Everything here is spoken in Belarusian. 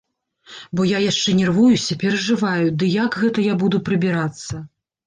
Бо я яшчэ нервуюся, перажываю, ды як гэта я буду прыбірацца.